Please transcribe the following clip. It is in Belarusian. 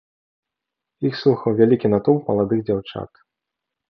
Іх слухаў вялікі натоўп маладых дзяўчат.